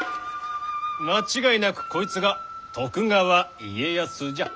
間違いなくこいつが徳川家康じゃ。